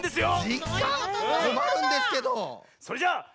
じっか⁉こまるんですけど！